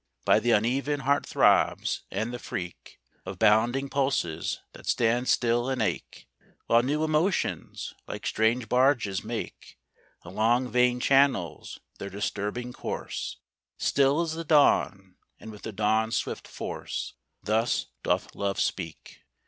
By the uneven heart throbs, and the freak Of bounding pulses that stand still and ache, While new emotions, like strange barges, make Along vein channels their disturbing course; Still as the dawn, and with the dawn's swift force Thus doth Love speak.